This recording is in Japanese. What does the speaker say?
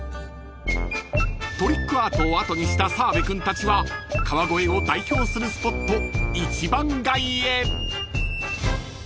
［トリックアートを後にした澤部君たちは川越を代表するスポット一番街へ］